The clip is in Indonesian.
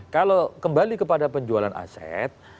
kalau kembali kepada penjualan aset